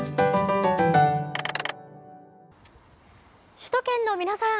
首都圏の皆さん。